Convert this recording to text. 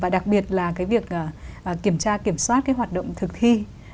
đặc biệt là cái việc kiểm tra kiểm soát cái hoạt động thực thi